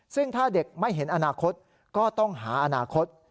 ซึ่งถ้าเด็กไม่เห็นอนาคตก็ต้องหาอนาคต